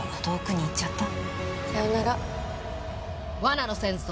さようなら。